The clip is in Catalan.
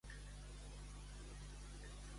Els ulls se'n van vers el que els atrau.